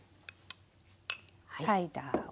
サイダーを。